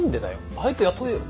バイト雇えよ。